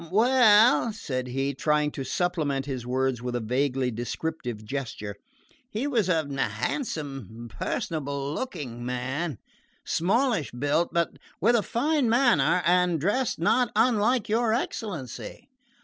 "Well," said he, trying to supplement his words by a vaguely descriptive gesture, "he was a handsome personable looking man smallish built, but with a fine manner, and dressed not unlike your excellency."